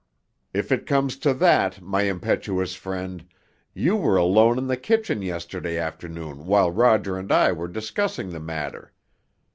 "If it comes to that, my impetuous friend, you were alone in the kitchen yesterday afternoon while Roger and I were discussing the matter.